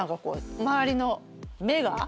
周りの目が。